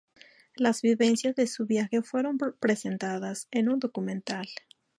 Las vivencias de su viaje fueron presentadas en un documental.